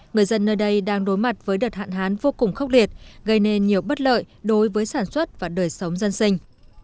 người dân nơi đây đang đối mặt với đợt hạn hán vô cùng khốc liệt gây nên nhiều bất lợi đối với sản xuất và đời sống dân sinh